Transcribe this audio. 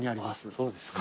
そうですか。